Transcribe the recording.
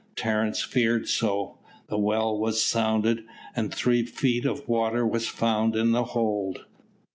Terence feared so. The well was sounded, and three feet of water was found in the hold.